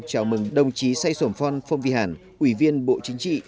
chào mừng đồng chí say sổm phon phong vy hàn ủy viên bộ chính trị